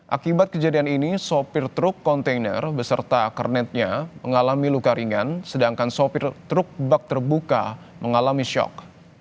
akibat kejadian ini sopir truk kontainer beserta kernetnya mengalami luka ringan sedangkan sopir truk bak terbuka mengalami syok